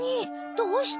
どうして？